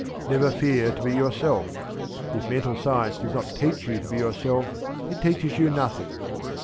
Never fear to be yourself. If Mental Science does not teach you to be yourself it teaches you nothing.